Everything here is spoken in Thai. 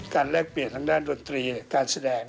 แลกเปลี่ยนทางด้านดนตรีการแสดง